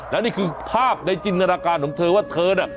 และนี่คือภาพในจินตนาการของเธอว่าเธอน่ะ